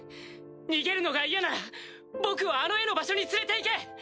逃げるのが嫌なら僕をあの絵の場所に連れていけ。